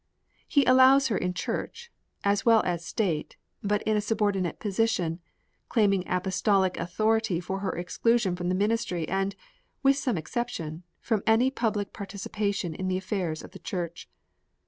He allows her in Church, as well as State, but a subordinate position, claiming Apostolic authority for her exclusion from the ministry, and, with some exception, from any public participation in the affairs of the Church.